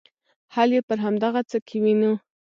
حل یې پر همدغه څه کې وینو.